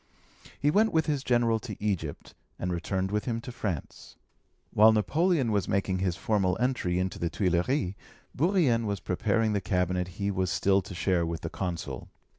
He went with his General to Egypt, and returned with him to France. While Napoleon was making his formal entry into the Tuilleries, Bourrienne was preparing the cabinet he was still to share with the Consul.